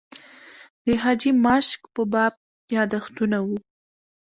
د حاجي ماشک په باب یاداښتونه و.